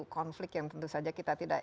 konflik yang tentu saja kita tidak